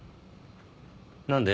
何で？